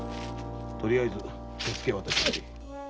とりあえず手付けを渡しておくぜ。